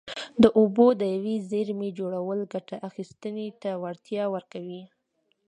د اوبو د یوې زېرمې جوړول ګټه اخیستنې ته وړتیا ورکوي.